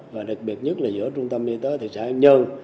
và đặc biệt nhất là giữa trung tâm y tế thị xã nhơn